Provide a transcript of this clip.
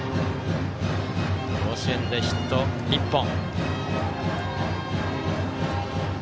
甲子園でヒット１本。